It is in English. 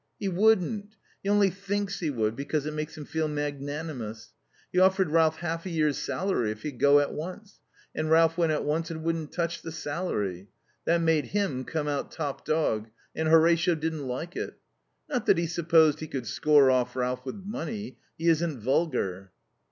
"He wouldn't. He only thinks he would, because it makes him feel magnanimous. He offered Ralph half a year's salary if he'd go at once. And Ralph went at once and wouldn't touch the salary. That made him come out top dog, and Horatio didn't like it. Not that he supposed he could score off Ralph with money. He isn't vulgar."